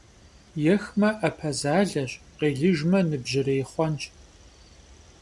Yêxme, 'epe zaleş, khêlıjjme, nıbjırêy xhuenş.